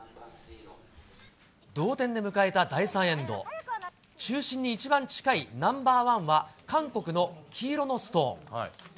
同点で迎えた第３エンド、中心に一番近いナンバー１は、韓国の黄色のストーン。